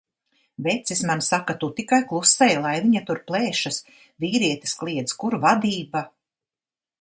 Vecis man saka: "Tu tikai klusē, lai viņa tur plēšas." Vīrietis kliedz: "Kur vadība?"